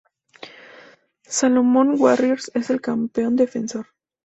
Solomon Warriors es el campeón defensor.